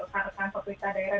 karyawan fakultas daerah